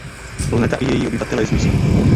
Planeta i její obyvatelé mizí.